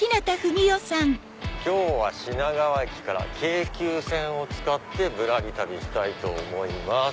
今日は品川駅から京急線を使ってぶらり旅したいと思います。